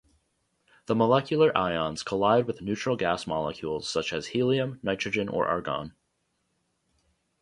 The molecular ions collide with neutral gas molecules such as helium, nitrogen or argon.